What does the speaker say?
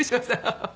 ハハハハ。